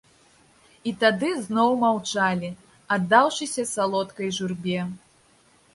І тады зноў маўчалі, аддаўшыся салодкай журбе.